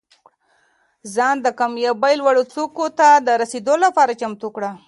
ځان د کامیابۍ لوړو څوکو ته د رسېدو لپاره چمتو کړه.